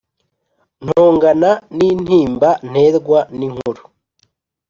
ntongana n’intimba nterwa n’inkuru